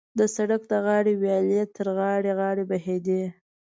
د سړک د غاړې ویالې تر غاړې غاړې بهېدې.